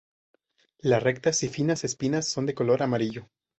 Las rectas y finas espinas son de color amarillo.